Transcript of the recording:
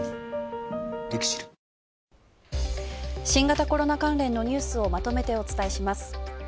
新型コロナ関連のニュースをまとめてお伝えします。